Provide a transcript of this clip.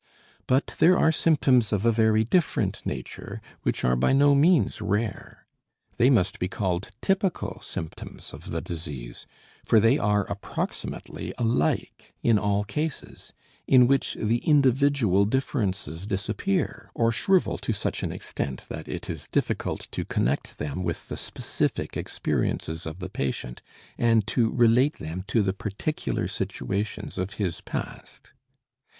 But there are symptoms of a very different nature which are by no means rare. They must be called typical symptoms of the disease, for they are approximately alike in all cases, in which the individual differences disappear or shrivel to such an extent that it is difficult to connect them with the specific experiences of the patient and to relate them to the particular situations of his past.